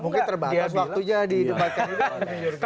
mungkin terbatas waktunya di debatkan itu